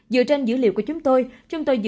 dựa trên dữ liệu của chúng tôi